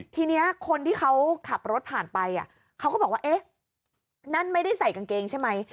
ทีนี้คนที่เขาขับรถผ่านไปเขาก็บอกว่าเอ๊ะนั่นไม่ได้ใส่กางเกงใช่ไหม